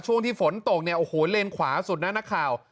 ช่วงที่ฝนตกเนี่ยโอ้โหเลนขวาสุดนะนักข่าว